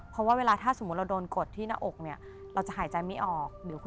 เพราะว่าเวลาเราโดนกดที่หน้าอกเราจะหายใจไม่ออก